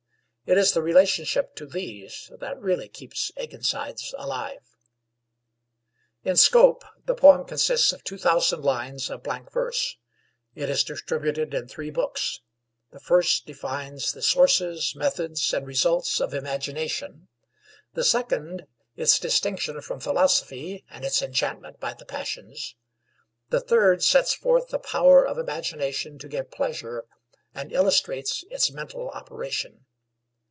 It is the relationship to these that really keeps Akenside's alive. In scope, the poem consists of two thousand lines of blank verse. It is distributed in three books. The first defines the sources, methods, and results of imagination; the second its distinction from philosophy and its enchantment by the passions; the third sets forth the power of imagination to give pleasure, and illustrates its mental operation.